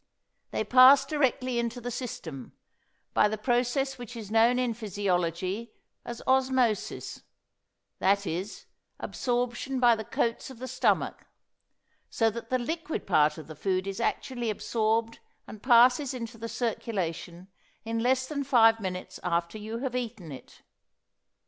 They pass directly into the system, by the process which is known in physiology as osmosis that is, absorption by the coats of the stomach; so that the liquid part of the food is actually absorbed and passes into the circulation in less than five minutes after you have eaten it.